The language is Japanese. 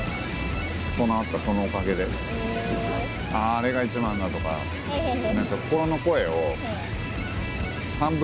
「あれが１番だ」とか何か。